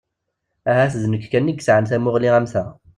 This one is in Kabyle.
Ahat d nekk kan i yesɛan tamuɣli am ta?